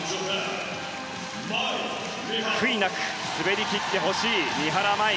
悔いなく滑り切ってほしい三原舞依。